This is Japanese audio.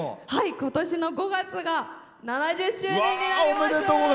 今年の５月が７０周年になります。